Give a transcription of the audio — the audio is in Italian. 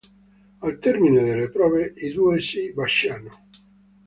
Al termine delle prove i due si baciano.